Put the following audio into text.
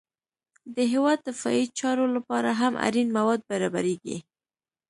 د هېواد د دفاعي چارو لپاره هم اړین مواد برابریږي